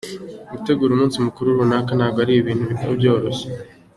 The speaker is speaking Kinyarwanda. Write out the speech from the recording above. Gutegura umunsi mukuru runaka ntabwo ari ibintu biba byoroshye.